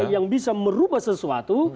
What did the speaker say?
yang bisa merubah sesuatu